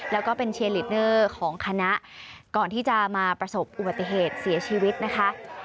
แล้วก็เป็นเชียร์ลีดเนอร์ของคณะก่อนที่จะมาประสบอุบัติเหตุเสียชีวิตนะคะ